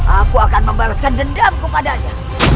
aku akan membalaskan dendamku padanya